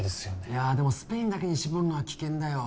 いやでもスペインだけに絞るのは危険だよ